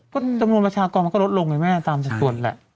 ก็จำนวนประชากรมันก็ลดลงไงแม่ตามสัดส่วนแหละ